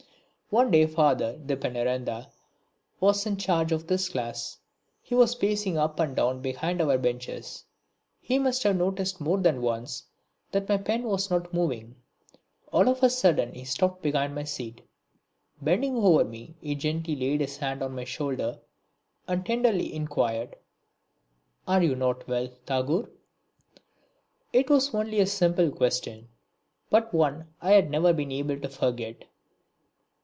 One day Father DePeneranda was in charge of this class. He was pacing up and down behind our benches. He must have noticed more than once that my pen was not moving. All of a sudden he stopped behind my seat. Bending over me he gently laid his hand on my shoulder and tenderly inquired: "Are you not well, Tagore?" It was only a simple question, but one I have never been able to forget.